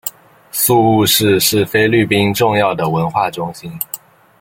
宿雾市是菲律宾重要的文化中心。